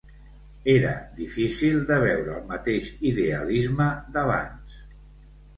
Era difícil de veure el mateix idealisme d'abans